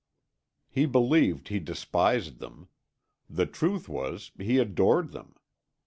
He believed he despised them; the truth was he adored them.